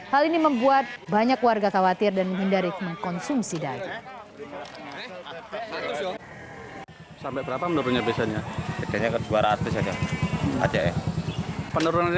hal ini membuat banyak warga khawatir dan menghindari mengkonsumsi daging